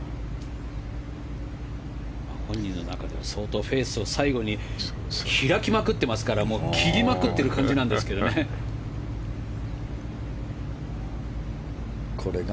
本人の中では相当フェースを最後に開きまくっていますから切りまくっている感じですが。